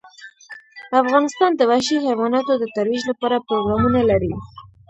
افغانستان د وحشي حیواناتو د ترویج لپاره پروګرامونه لري.